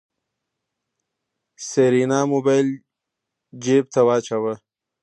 سېرېنا موبايل جېب ته واچوه.